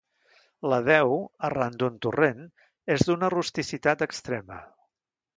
La deu, arran d'un torrent, és d'una rusticitat extrema.